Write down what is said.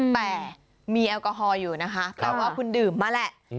แต่มีแอลกอฮอลอยู่นะคะแต่ว่าคุณดื่มมาแหละ